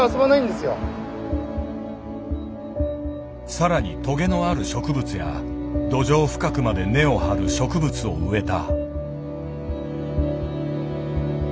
更にとげのある植物や土壌深くまで根を張る植物を植えた。